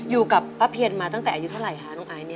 อยู่กับป้าเพียนมาตั้งแต่อายุเท่าไหร่คะน้องไอซ์